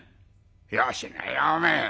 よしなよおめえ。